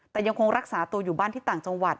แต่ยังคงรักษาตัวอยู่บ้านที่ต่างจังหวัด